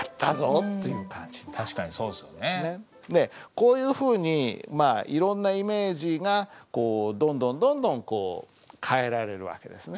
こういうふうにまあいろんなイメージがこうどんどんどんどん変えられる訳ですね。